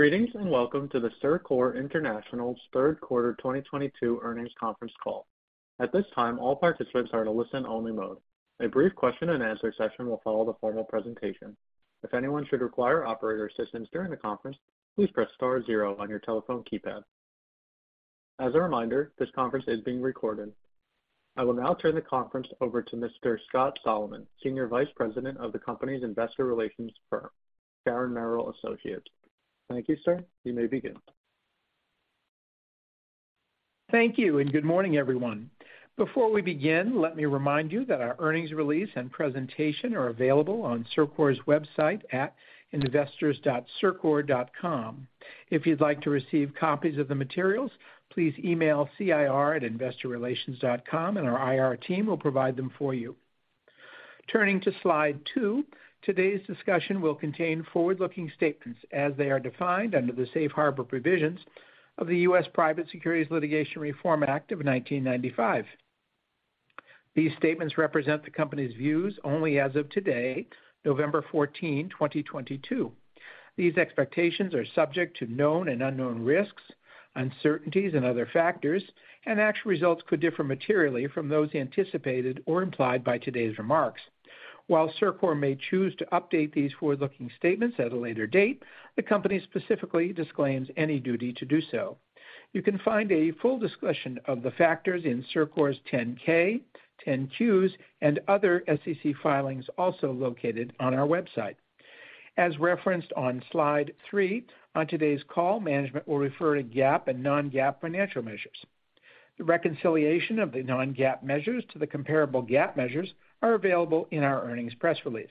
Greetings, and welcome to the CIRCOR International's Q3 2022 earnings conference call. At this time, all participants are in a listen-only mode. A brief question-and-answer session will follow the formal presentation. If anyone should require operator assistance during the conference, please press star zero on your telephone keypad. As a reminder, this conference is being recorded. I will now turn the conference over to Mr. Scott Solomon, Senior Vice President of the company's investor relations firm, Sharon Merrill Associates. Thank you, sir. You may begin. Thank you, and good morning, everyone. Before we begin, let me remind you that our earnings release and presentation are available on CIRCOR's website at investors.circor.com. If you'd like to receive copies of the materials, please email cir@investorrelations.com, and our IR team will provide them for you. Turning to slide two, today's discussion will contain forward-looking statements as they are defined under the safe harbor provisions of the US Private Securities Litigation Reform Act of 1995. These statements represent the company's views only as of today, November 14, 2022. These expectations are subject to known and unknown risks, uncertainties, and other factors, and actual results could differ materially from those anticipated or implied by today's remarks. While CIRCOR may choose to update these forward-looking statements at a later date, the company specifically disclaims any duty to do so. You can find a full discussion of the factors in CIRCOR's 10-K, 10-Qs, and other SEC filings also located on our website. As referenced on slide three, on today's call, management will refer to GAAP and non-GAAP financial measures. The reconciliation of the non-GAAP measures to the comparable GAAP measures are available in our earnings press release.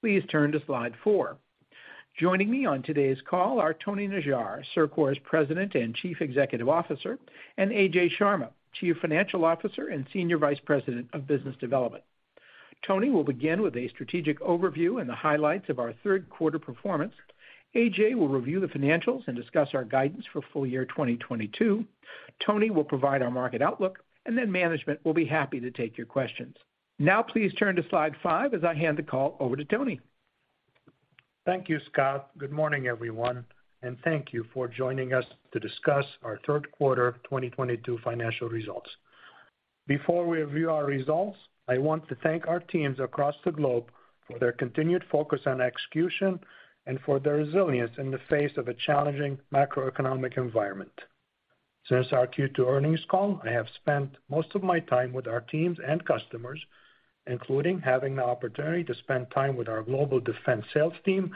Please turn to slide four. Joining me on today's call are Tony Najjar, CIRCOR's President and Chief Executive Officer, and Arjun Sharma, Chief Financial Officer and Senior Vice President of Business Development. Tony will begin with a strategic overview and the highlights of our Q3 performance. Arjun will review the financials and discuss our guidance for full year 2022. Tony will provide our market outlook, and then management will be happy to take your questions. Now please turn to slide five as I hand the call over to Tony. Thank you, Scott. Good morning, everyone, and thank you for joining us to discuss our Q3 2022 financial results. Before we review our results, I want to thank our teams across the globe for their continued focus on execution and for their resilience in the face of a challenging macroeconomic environment. Since our Q2 earnings call, I have spent most of my time with our teams and customers, including having the opportunity to spend time with our global defense sales team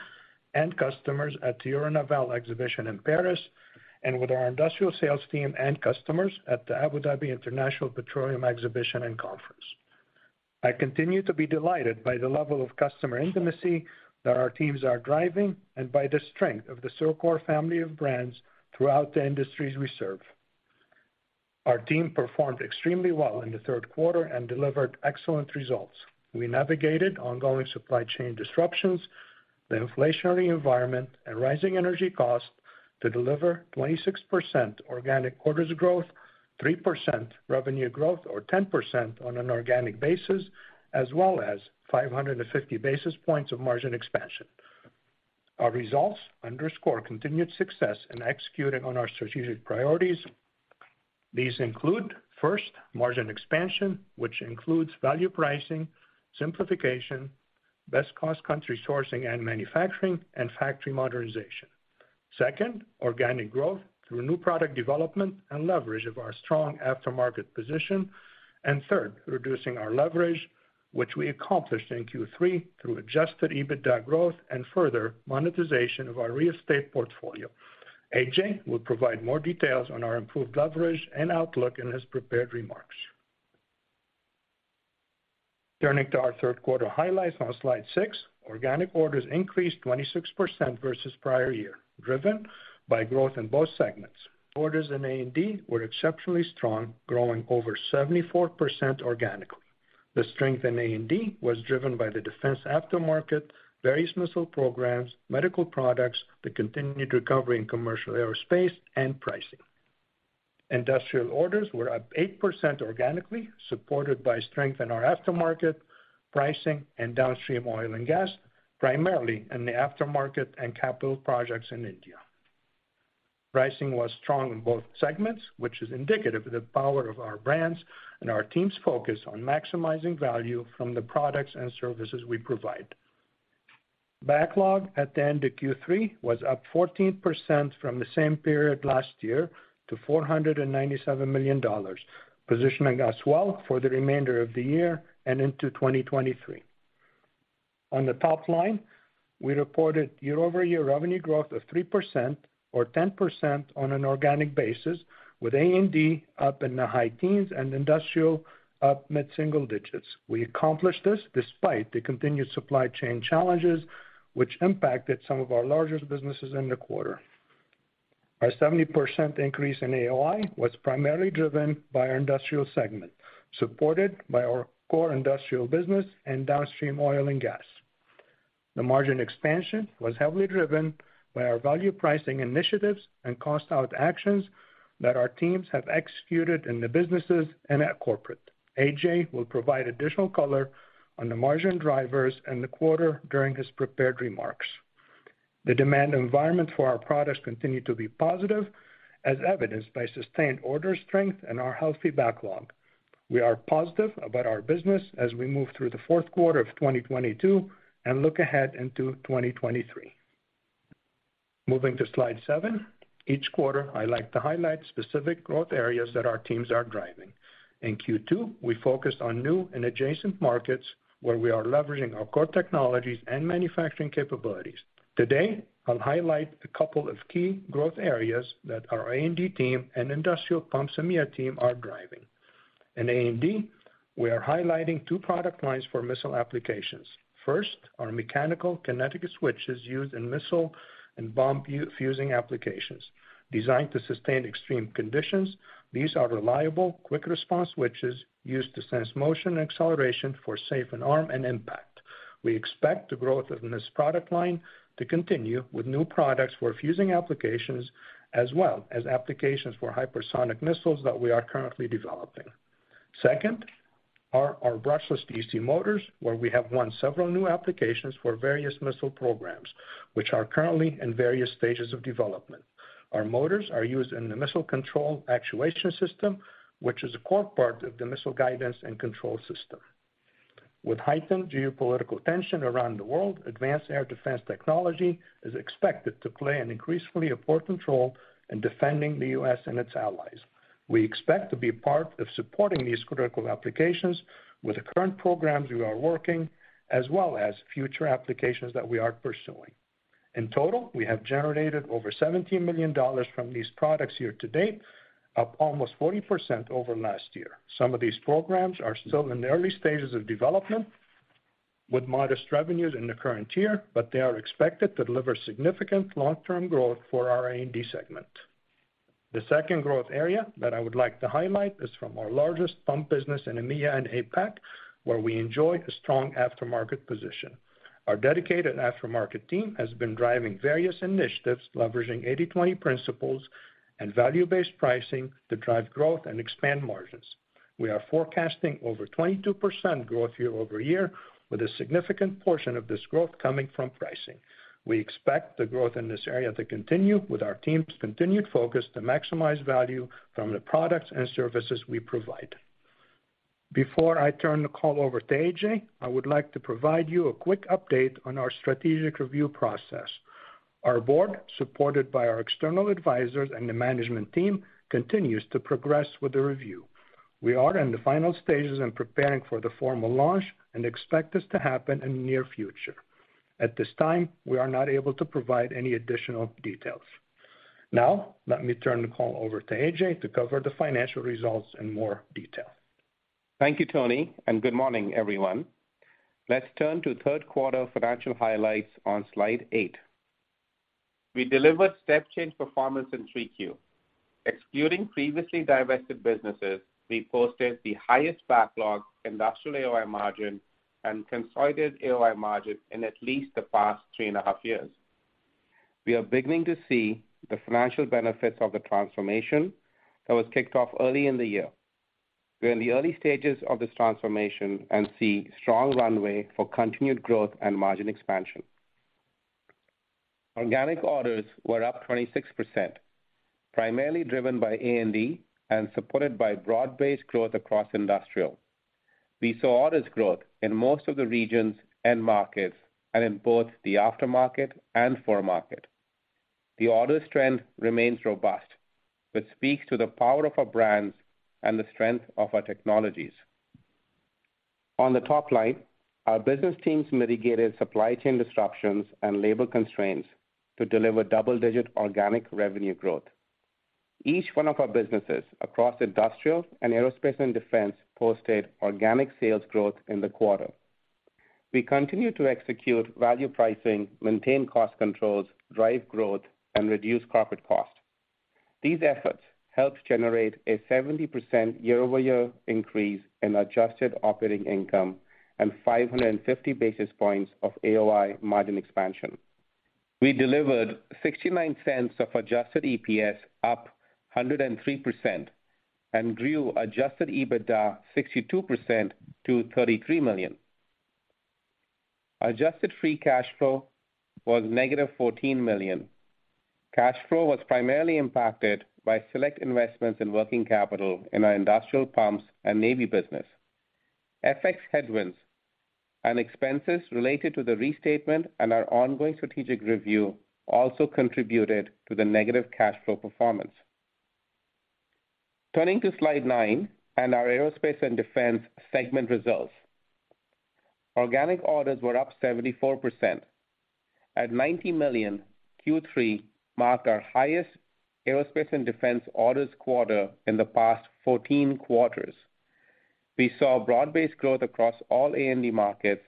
and customers at the Euronaval exhibition in Paris, and with our industrial sales team and customers at the Abu Dhabi International Petroleum Exhibition and Conference. I continue to be delighted by the level of customer intimacy that our teams are driving and by the strength of the CIRCOR family of brands throughout the industries we serve. Our team performed extremely well in the Q3 and delivered excellent results. We navigated ongoing supply chain disruptions, the inflationary environment, and rising energy costs to deliver 26% organic quarter-over-quarter growth, 3% revenue growth, or 10% on an organic basis, as well as 550 basis points of margin expansion. Our results underscore continued success in executing on our strategic priorities. These include, first, margin expansion, which includes value pricing, simplification, best cost country sourcing and manufacturing, and factory modernization. Second, organic growth through new product development and leverage of our strong aftermarket position. And third, reducing our leverage, which we accomplished in Q3 through adjusted EBITDA growth and further monetization of our real estate portfolio. AJ will provide more details on our improved leverage and outlook in his prepared remarks. Turning to our Q3 highlights on slide six, organic orders increased 26% versus prior year, driven by growth in both segments. Orders in A&D were exceptionally strong, growing over 74% organically. The strength in A&D was driven by the defense aftermarket, various missile programs, medical products, the continued recovery in commercial aerospace, and pricing. Industrial orders were up 8% organically, supported by strength in our aftermarket, pricing, and downstream oil and gas, primarily in the aftermarket and capital projects in India. Pricing was strong in both segments, which is indicative of the power of our brands and our team's focus on maximizing value from the products and services we provide. Backlog at the end of Q3 was up 14% from the same period last year to $497 million, positioning us well for the remainder of the year and into 2023. On the top line, we reported year-over-year revenue growth of 3% or 10% on an organic basis, with A&D up in the high teens and industrial up mid-single digits. We accomplished this despite the continued supply chain challenges which impacted some of our largest businesses in the quarter. Our 70% increase in AOI was primarily driven by our industrial segment, supported by our core industrial business and downstream oil and gas. The margin expansion was heavily driven by our value pricing initiatives and cost out actions that our teams have executed in the businesses and at corporate. AJ will provide additional color on the margin drivers in the quarter during his prepared remarks. The demand environment for our products continue to be positive, as evidenced by sustained order strength and our healthy backlog. We are positive about our business as we move through the Q4 of 2022 and look ahead into 2023. Moving to slide seven. Each quarter, I like to highlight specific growth areas that our teams are driving. In Q2, we focused on new and adjacent markets where we are leveraging our core technologies and manufacturing capabilities. Today, I'll highlight a couple of key growth areas that our A&D team and industrial pumps EMEA team are driving. In A&D, we are highlighting two product lines for missile applications. First, our mechanical kinetic switches used in missile and bomb fusing applications. Designed to sustain extreme conditions, these are reliable, quick response switches used to sense motion and acceleration for safe and arm and impact. We expect the growth of this product line to continue with new products for fusing applications, as well as applications for hypersonic missiles that we are currently developing. Second, our brushless DC motors, where we have won several new applications for various missile programs, which are currently in various stages of development. Our motors are used in the missile control actuation system, which is a core part of the missile guidance and control system. With heightened geopolitical tension around the world, advanced air defense technology is expected to play an increasingly important role in defending the U.S. and its allies. We expect to be a part of supporting these critical applications with the current programs we are working, as well as future applications that we are pursuing. In total, we have generated over $17 million from these products year-to-date, up almost 40% over last year. Some of these programs are still in the early stages of development with modest revenues in the current year, but they are expected to deliver significant long-term growth for our A&D segment. The second growth area that I would like to highlight is from our largest pump business in EMEA and APAC, where we enjoy a strong aftermarket position. Our dedicated aftermarket team has been driving various initiatives leveraging 80/20 principles and value-based pricing to drive growth and expand margins. We are forecasting over 22% growth year-over-year, with a significant portion of this growth coming from pricing. We expect the growth in this area to continue with our team's continued focus to maximize value from the products and services we provide. Before I turn the call over to AJ, I would like to provide you a quick update on our strategic review process. Our board, supported by our external advisors and the management team, continues to progress with the review. We are in the final stages in preparing for the formal launch and expect this to happen in the near future. At this time, we are not able to provide any additional details. Now, let me turn the call over to AJ to cover the financial results in more detail. Thank you, Tony, and good morning, everyone. Let's turn to Q3 financial highlights on slide eight. We delivered step change performance in 3Q. Excluding previously divested businesses, we posted the highest backlog industrial AOI margin and consolidated AOI margin in at least the past three and a half years. We are beginning to see the financial benefits of the transformation that was kicked off early in the year. We are in the early stages of this transformation and see strong runway for continued growth and margin expansion. Organic orders were up 26%, primarily driven by A&D and supported by broad-based growth across industrial. We saw orders growth in most of the regions and markets and in both the aftermarket and OE market. The orders trend remains robust, which speaks to the power of our brands and the strength of our technologies. On the top line, our business teams mitigated supply chain disruptions and labor constraints to deliver double-digit organic revenue growth. Each one of our businesses across industrial and aerospace and defense posted organic sales growth in the quarter. We continue to execute value pricing, maintain cost controls, drive growth, and reduce corporate cost. These efforts helped generate a 70% year-over-year increase in adjusted operating income and 550 basis points of AOI margin expansion. We delivered $0.69 of adjusted EPS up 103% and grew adjusted EBITDA 62% to $33 million. Adjusted free cash flow was -$14 million. Cash flow was primarily impacted by select investments in working capital in our industrial pumps and Navy business. FX headwinds and expenses related to the restatement and our ongoing strategic review also contributed to the negative cash flow performance. Turning to slide nine and our Aerospace and Defense segment results. Organic orders were up 74%. At $90 million, Q3 marked our highest Aerospace and Defense orders quarter in the past 14 quarters. We saw broad-based growth across all A&D markets,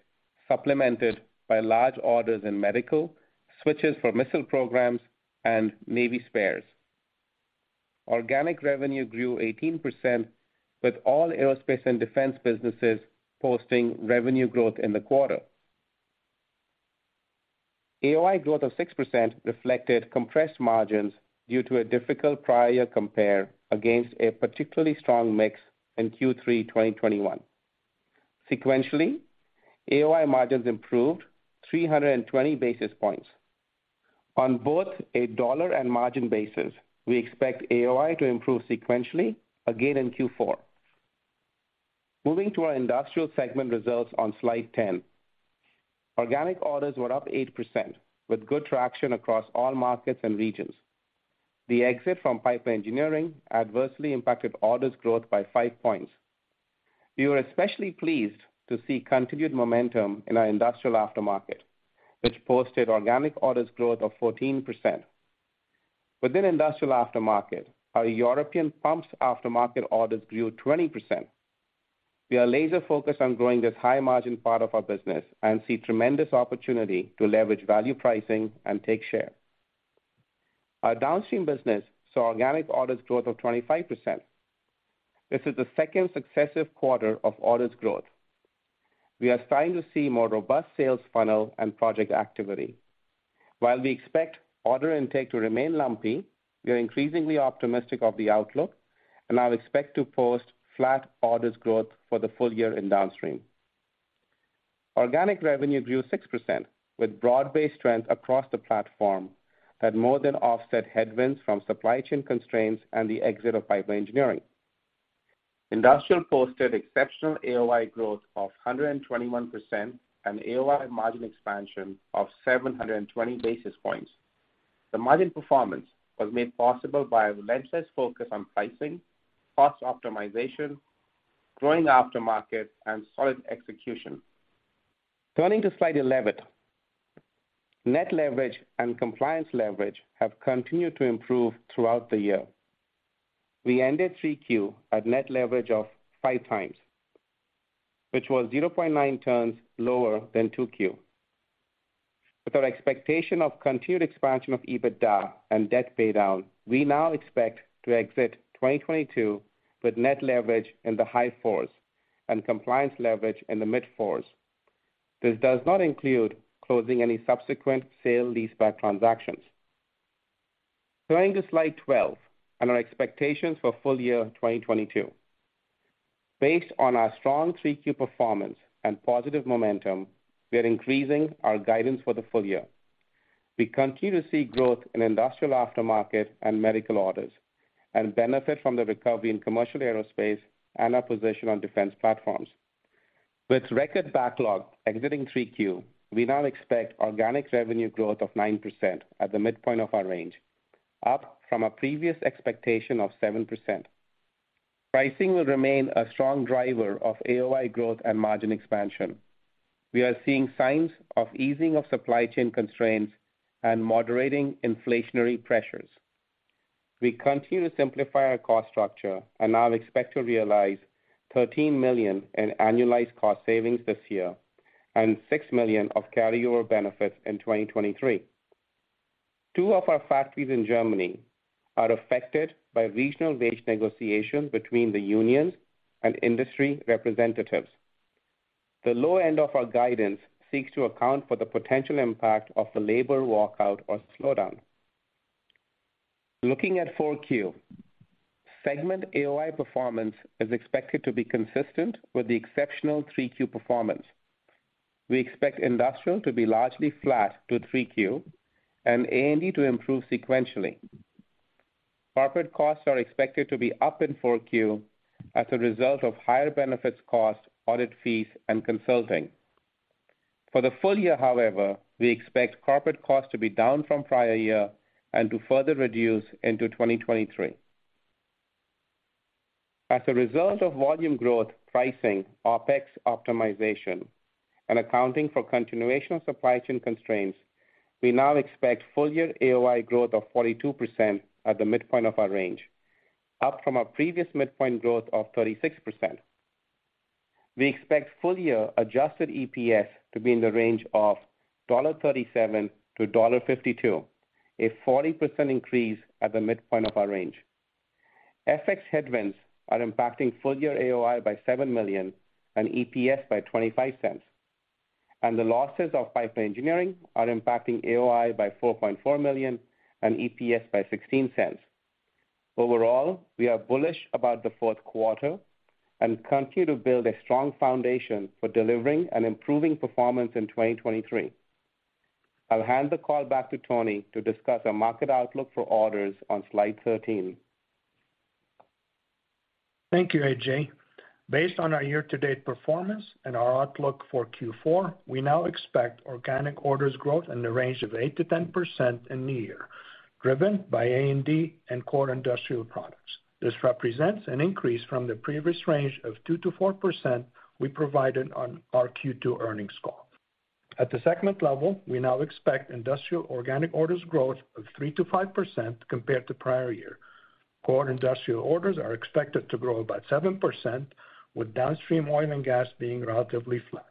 supplemented by large orders in medical, switches for missile programs, and Navy spares. Organic revenue grew 18%, with all Aerospace and Defense businesses posting revenue growth in the quarter. AOI growth of 6% reflected compressed margins due to a difficult prior compare against a particularly strong mix in Q3, 2021. Sequentially, AOI margins improved 320 basis points. On both a dollar and margin basis, we expect AOI to improve sequentially again in Q4. Moving to our Industrial segment results on slide 10. Organic orders were up 8% with good traction across all markets and regions. The exit from Pipeline Engineering adversely impacted orders growth by five points. We were especially pleased to see continued momentum in our industrial aftermarket, which posted organic orders growth of 14%. Within industrial aftermarket, our European pumps aftermarket orders grew 20%. We are laser focused on growing this high margin part of our business and see tremendous opportunity to leverage value pricing and take share. Our downstream business saw organic orders growth of 25%. This is the second successive quarter of orders growth. We are starting to see more robust sales funnel and project activity. While we expect order intake to remain lumpy, we are increasingly optimistic of the outlook and now expect to post flat orders growth for the full year in downstream. Organic revenue grew 6% with broad-based trend across the platform that more than offset headwinds from supply chain constraints and the exit of Pipeline Engineering. Industrial posted exceptional AOI growth of 121% and AOI margin expansion of 720 basis points. The margin performance was made possible by a relentless focus on pricing, cost optimization, growing aftermarket, and solid execution. Turning to slide 11. Net leverage and compliance leverage have continued to improve throughout the year. We ended 3Q at net leverage of 5x, which was 0.9 turns lower than 2Q. With our expectation of continued expansion of EBITDA and debt paydown, we now expect to exit 2022 with net leverage in the high fours and compliance leverage in the mid fours. This does not include closing any subsequent sale leaseback transactions. Turning to slide 12 and our expectations for full year 2022. Based on our strong 3Q performance and positive momentum, we are increasing our guidance for the full year. We continue to see growth in industrial aftermarket and medical orders, and benefit from the recovery in commercial aerospace and our position on defense platforms. With record backlog exiting 3Q, we now expect organic revenue growth of 9% at the midpoint of our range, up from a previous expectation of 7%. Pricing will remain a strong driver of AOI growth and margin expansion. We are seeing signs of easing of supply chain constraints and moderating inflationary pressures. We continue to simplify our cost structure and now expect to realize $13 million in annualized cost savings this year and $6 million of carryover benefits in 2023. Two of our factories in Germany are affected by regional wage negotiations between the unions and industry representatives. The low end of our guidance seeks to account for the potential impact of the labor walkout or slowdown. Looking at Q4, segment AOI performance is expected to be consistent with the exceptional Q3 performance. We expect Industrial to be largely flat to Q3 and A&D to improve sequentially. Corporate costs are expected to be up in Q4 as a result of higher benefits costs, audit fees, and consulting. For the full year, however, we expect corporate costs to be down from prior year and to further reduce into 2023. As a result of volume growth pricing, OpEx optimization, and accounting for continuation of supply chain constraints, we now expect full year AOI growth of 42% at the midpoint of our range, up from our previous midpoint growth of 36%. We expect full year adjusted EPS to be in the range of $3.70-$5.20, a 40% increase at the midpoint of our range. FX headwinds are impacting full year AOI by $7 million and EPS by $0.25, and the losses of Pipeline Engineering are impacting AOI by $4.4 million and EPS by $0.16. Overall, we are bullish about the Q4 and continue to build a strong foundation for delivering an improving performance in 2023. I'll hand the call back to Tony to discuss our market outlook for orders on slide 13. Thank you, AJ. Based on our year-to-date performance and our outlook for Q4, we now expect organic orders growth in the range of 8%-10% in the year, driven by A&D and core industrial products. This represents an increase from the previous range of 2%-4% we provided on our Q2 earnings call. At the segment level, we now expect industrial organic orders growth of 3%-5% compared to prior year. Core industrial orders are expected to grow about 7%, with downstream oil and gas being relatively flat.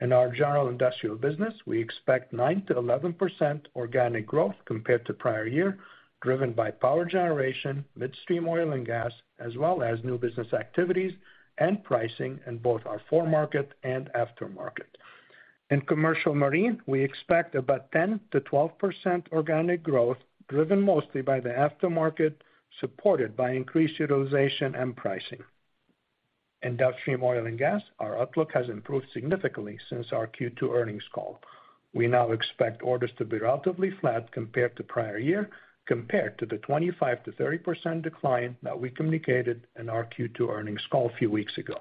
In our general industrial business, we expect 9%-11% organic growth compared to prior year, driven by power generation, midstream oil and gas, as well as new business activities and pricing in both our OE market and aftermarket. In commercial marine, we expect about 10%-12% organic growth driven mostly by the aftermarket, supported by increased utilization and pricing. In downstream oil and gas, our outlook has improved significantly since our Q2 earnings call. We now expect orders to be relatively flat compared to prior year, compared to the 25%-30% decline that we communicated in our Q2 earnings call a few weeks ago.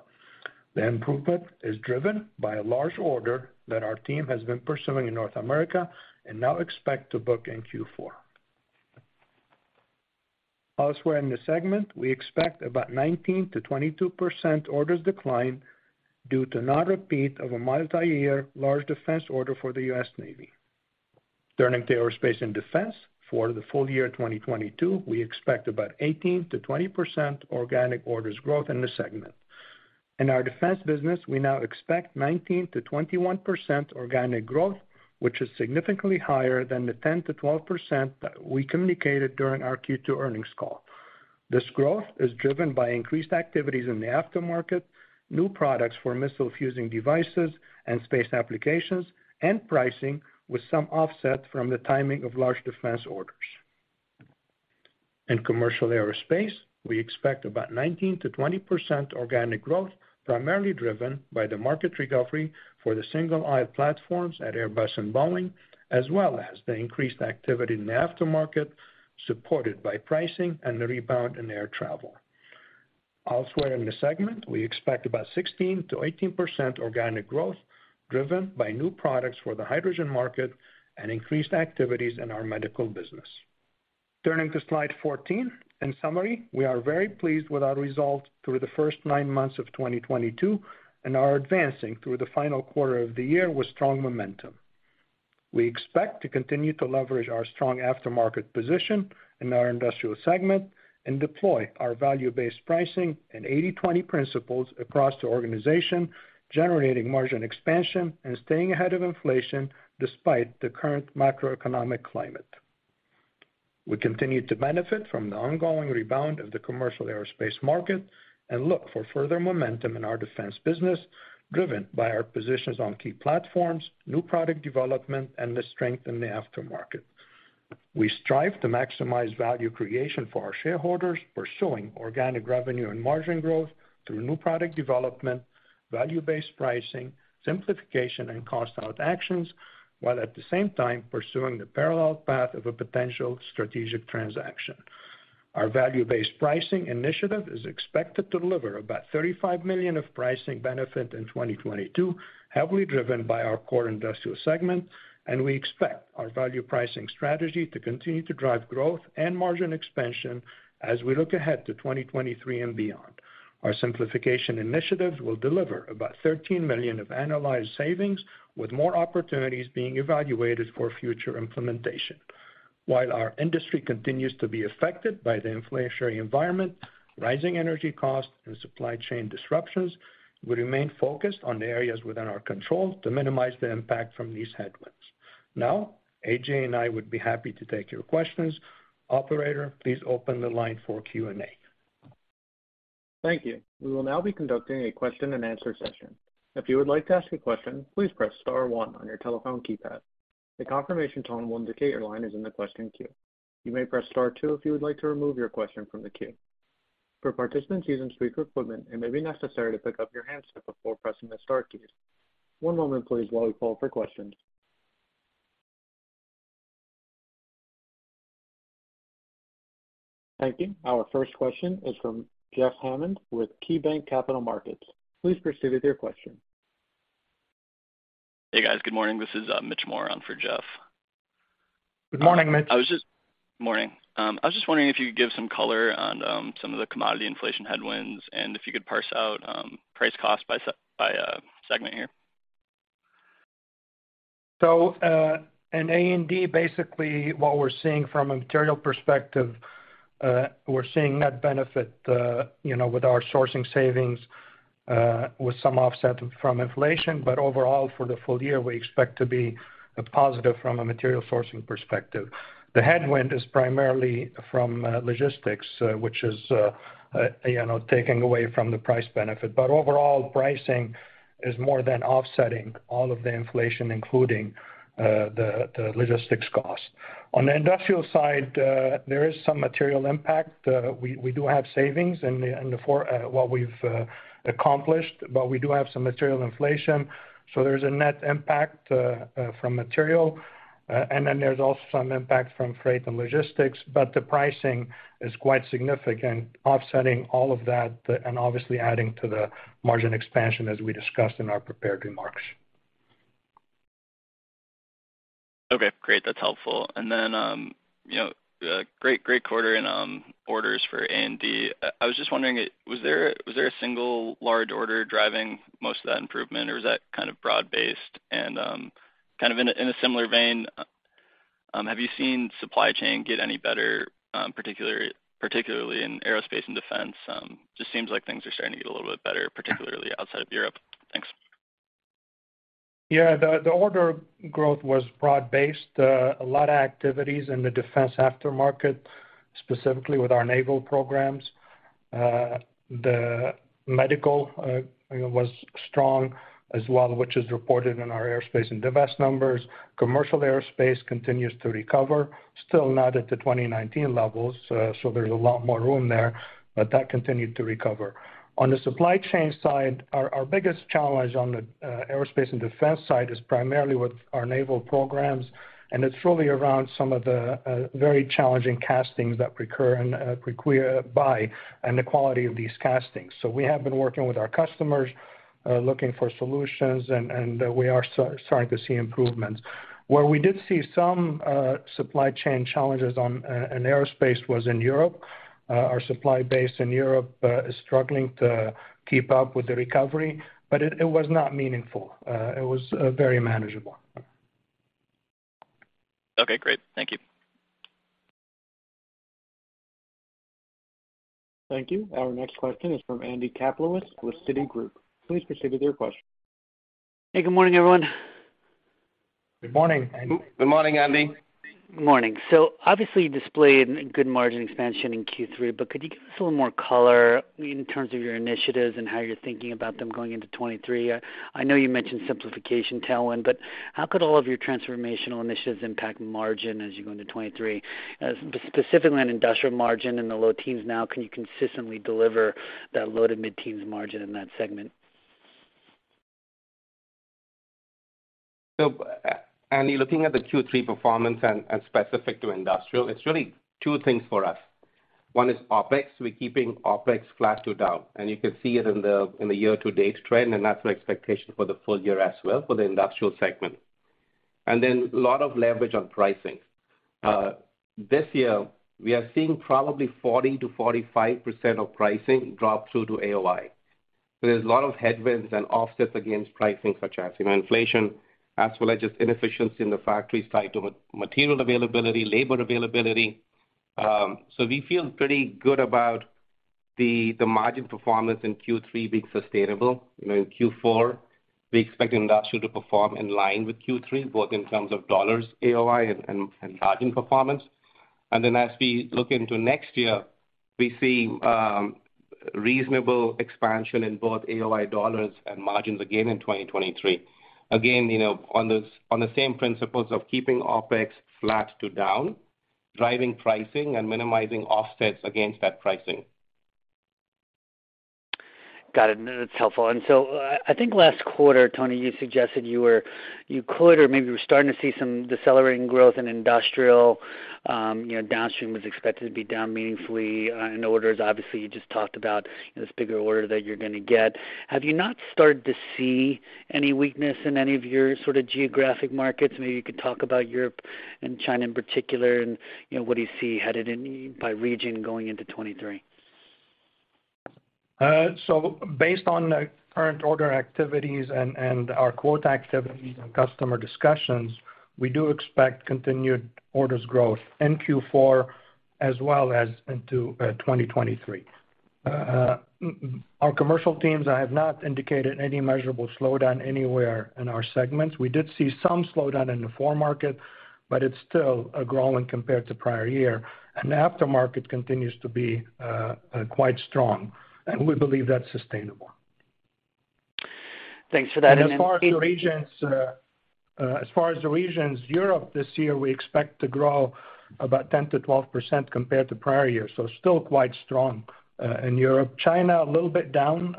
The improvement is driven by a large order that our team has been pursuing in North America and now expect to book in Q4. Elsewhere in this segment, we expect about 19%-22% orders decline due to non-repeat of a multi-year large defense order for the U.S. Navy. Turning to aerospace and defense, for the full year 2022, we expect about 18%-20% organic orders growth in this segment. In our defense business, we now expect 19%-21% organic growth, which is significantly higher than the 10%-12% that we communicated during our Q2 earnings call. This growth is driven by increased activities in the aftermarket, new products for missile fusing devices and space applications, and pricing with some offset from the timing of large defense orders. In commercial aerospace, we expect about 19%-20% organic growth, primarily driven by the market recovery for the single-aisle platforms at Airbus and Boeing, as well as the increased activity in the aftermarket, supported by pricing and the rebound in air travel. Elsewhere in this segment, we expect about 16%-18% organic growth driven by new products for the hydrogen market and increased activities in our medical business. Turning to slide 14. In summary, we are very pleased with our results through the first 9 months of 2022 and are advancing through the final quarter of the year with strong momentum. We expect to continue to leverage our strong aftermarket position in our industrial segment and deploy our value-based pricing and 80/20 principles across the organization, generating margin expansion and staying ahead of inflation despite the current macroeconomic climate. We continue to benefit from the ongoing rebound of the commercial aerospace market and look for further momentum in our defense business, driven by our positions on key platforms, new product development, and the strength in the aftermarket. We strive to maximize value creation for our shareholders, pursuing organic revenue and margin growth through new product development, value-based pricing, simplification and cost-out actions, while at the same time pursuing the parallel path of a potential strategic transaction. Our value-based pricing initiative is expected to deliver about $35 million of pricing benefit in 2022, heavily driven by our core industrial segment, and we expect our value pricing strategy to continue to drive growth and margin expansion as we look ahead to 2023 and beyond. Our simplification initiatives will deliver about $13 million of annualized savings, with more opportunities being evaluated for future implementation. While our industry continues to be affected by the inflationary environment, rising energy costs and supply chain disruptions, we remain focused on the areas within our control to minimize the impact from these headwinds. Now, AJ and I would be happy to take your questions. Operator, please open the line for Q&A. Thank you. We will now be conducting a question-and-answer session. If you would like to ask a question, please press star one on your telephone keypad. The confirmation tone will indicate your line is in the question queue. You may press star two if you would like to remove your question from the queue. For participants using speaker equipment, it may be necessary to pick up your handset before pressing the star keys. One moment please while we call for questions. Thank you. Our first question is from Jeffrey Hammond with KeyBanc Capital Markets. Please proceed with your question. Hey, guys. Good morning. This is Mitch Moore on for Jeff Hammond. Good morning, Mitch. I was just wondering if you could give some color on some of the commodity inflation headwinds, and if you could parse out price cost by segment here. In A&D, basically what we're seeing from a material perspective, we're seeing net benefit, you know, with our sourcing savings, with some offset from inflation. Overall, for the full year, we expect to be a positive from a material sourcing perspective. The headwind is primarily from logistics, which is, you know, taking away from the price benefit. Overall, pricing is more than offsetting all of the inflation, including the logistics cost. On the industrial side, there is some material impact. We do have savings in what we've accomplished, but we do have some material inflation, so there's a net impact from material. There's also some impact from freight and logistics. The pricing is quite significant, offsetting all of that and obviously adding to the margin expansion as we discussed in our prepared remarks. Okay, great. That's helpful. You know, great quarter in orders for A&D. I was just wondering, was there a single large order driving most of that improvement, or was that kind of broad-based? Kind of in a similar vein, have you seen supply chain get any better, particularly in aerospace and defense? Just seems like things are starting to get a little bit better, particularly outside of Europe. Thanks. Yeah. The order growth was broad-based. A lot of activities in the defense aftermarket. Specifically with our naval programs. The medical, you know, was strong as well, which is reported in our Aerospace and Defense numbers. Commercial aerospace continues to recover. Still not at the 2019 levels, so there's a lot more room there, but that continued to recover. On the supply chain side, our biggest challenge on the Aerospace and Defense side is primarily with our naval programs, and it's really around some of the very challenging castings that recur and require buy-in and the quality of these castings. We have been working with our customers, looking for solutions and we are starting to see improvements. Where we did see some supply chain challenges in aerospace was in Europe. Our supply base in Europe is struggling to keep up with the recovery, but it was not meaningful. It was very manageable. Okay, great. Thank you. Thank you. Our next question is from Andy Kaplowitz with Citigroup. Please proceed with your question. Hey, good morning, everyone. Good morning, Andy. Good morning, Andy. Good morning. Obviously, you displayed good margin expansion in Q3, but could you give us a little more color in terms of your initiatives and how you're thinking about them going into 2023? I know you mentioned simplification tailwind, but how could all of your transformational initiatives impact margin as you go into 2023? Specifically on industrial margin in the low teens now, can you consistently deliver that low- to mid-teens% margin in that segment? Andy, looking at the Q3 performance and specific to industrial, it's really two things for us. One is OpEx. We're keeping OpEx flat to down, and you can see it in the year-to-date trend, and that's an expectation for the full year as well for the industrial segment. A lot of leverage on pricing. This year we are seeing probably 40%-45% of pricing drop through to AOI. There's a lot of headwinds and offsets against pricing for chassis, you know, inflation, as well as just inefficiency in the factory side to material availability, labor availability. We feel pretty good about the margin performance in Q3 being sustainable. You know, in Q4, we expect industrial to perform in line with Q3, both in terms of dollars AOI and margin performance. As we look into next year, we see reasonable expansion in both AOI dollars and margins again in 2023. Again, you know, on the same principles of keeping OpEx flat to down, driving pricing and minimizing offsets against that pricing. Got it. That's helpful. I think last quarter, Tony, you suggested you could or maybe were starting to see some decelerating growth in industrial, you know, downstream was expected to be down meaningfully in orders. Obviously, you just talked about this bigger order that you're gonna get. Have you not started to see any weakness in any of your sort of geographic markets? Maybe you could talk about Europe and China in particular and, you know, what do you see headed in by region going into 2023? Based on the current order activities and our quota activities and customer discussions, we do expect continued orders growth in Q4 as well as into 2023. Our commercial teams have not indicated any measurable slowdown anywhere in our segments. We did see some slowdown in the foreign market, but it's still growing compared to prior year. The aftermarket continues to be quite strong, and we believe that's sustainable. Thanks for that. As far as the regions, Europe this year, we expect to grow about 10%-12% compared to prior years. Still quite strong in Europe. China, a little bit down.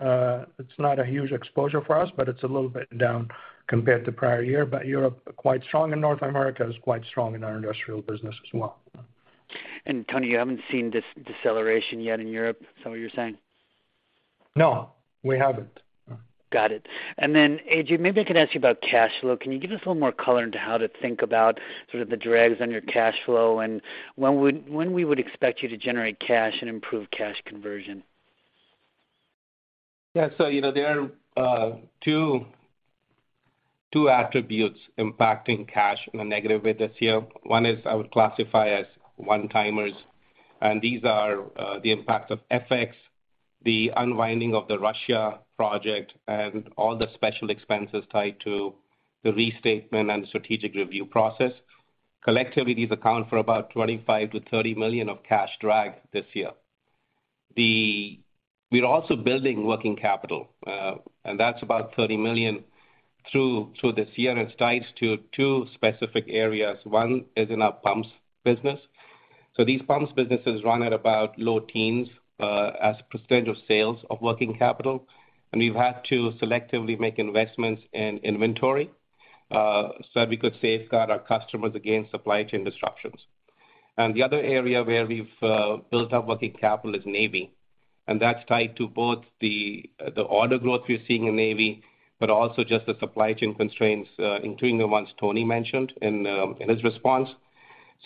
It's not a huge exposure for us, but it's a little bit down compared to prior year. Europe, quite strong, and North America is quite strong in our industrial business as well. Tony, you haven't seen this deceleration yet in Europe, is that what you're saying? No, we haven't. Got it. Arjun, maybe I could ask you about cash flow. Can you give us a little more color into how to think about sort of the drags on your cash flow and when we would expect you to generate cash and improve cash conversion? Yeah. You know, there are two attributes impacting cash in a negative way this year. One is I would classify as one-timers, and these are the impact of FX, the unwinding of the Russia project, and all the special expenses tied to the restatement and strategic review process. Collectively, these account for about $25-$30 million of cash drag this year. We're also building working capital, and that's about $30 million through this year, and it's tied to two specific areas. One is in our pumps business. These pumps businesses run at about low teens as a percentage of sales of working capital. We've had to selectively make investments in inventory so that we could safeguard our customers against supply chain disruptions. The other area where we've built up working capital is Navy, and that's tied to both the order growth we're seeing in Navy, but also just the supply chain constraints, including the ones Tony mentioned in his response.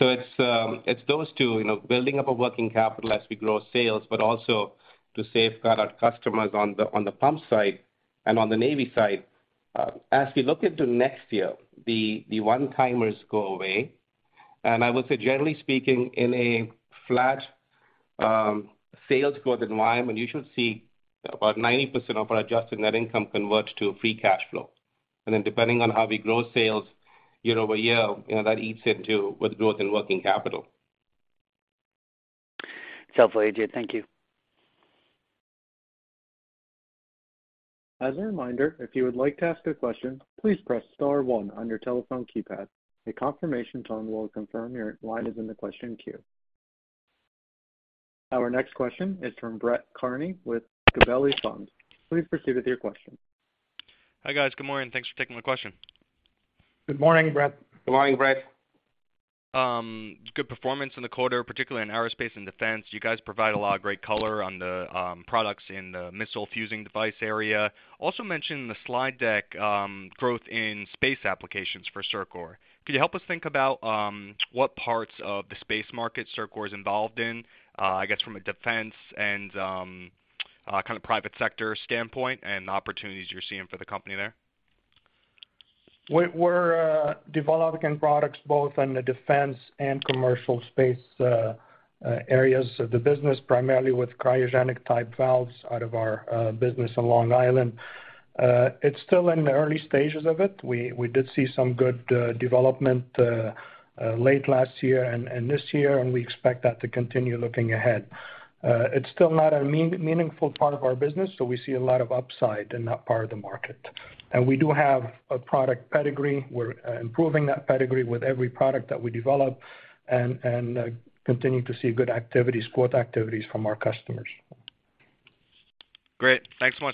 It's those two, you know, building up a working capital as we grow sales, but also to safeguard our customers on the pump side and on the Navy side. As we look into next year, the one-timers go away. I would say generally speaking, in a flat sales growth environment, you should see about 90% of our adjusted net income convert to free cash flow. Then depending on how we grow sales year-over-year, you know, that eats into with growth in working capital. It's helpful, Ajay. Thank you. As a reminder, if you would like to ask a question, please press star one on your telephone keypad. A confirmation tone will confirm your line is in the question queue. Our next question is from Brett Kearney with Gabelli Funds. Please proceed with your question. Hi, guys. Good morning. Thanks for taking my question. Good morning, Brett. Good morning, Brett. Good performance in the quarter, particularly in aerospace and defense. You guys provide a lot of great color on the products in the missile fusing device area. Also mentioned in the slide deck, growth in space applications for CIRCOR. Could you help us think about what parts of the space market CIRCOR is involved in, I guess from a defense and kind of private sector standpoint and the opportunities you're seeing for the company there? We're developing products both in the defense and commercial space, areas of the business, primarily with cryogenic valves out of our business in Long Island. It's still in the early stages of it. We did see some good development late last year and this year, and we expect that to continue looking ahead. It's still not a meaningful part of our business, so we see a lot of upside in that part of the market. We do have a product pedigree. We're improving that pedigree with every product that we develop and continuing to see good activities, quote activities from our customers. Great. Thanks much.